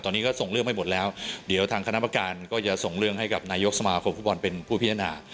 ตอนนี้ก็ส่งเรื่องไปหมดแล้วเดี๋ยวทางคณะประการก็จะส่งเรื่องให้กับนายกสมาคมฟุตบอลเป็นผู้พิจารณา